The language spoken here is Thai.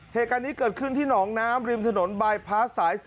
เหตุการณ์นี้เกิดขึ้นที่หนองน้ำริมถนนบายพลาสสาย๓